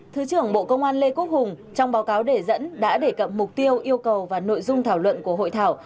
thứ trưởng bộ công an lê quốc hùng trong báo cáo đề dẫn đã đề cập mục tiêu yêu cầu và nội dung thảo luận của hội thảo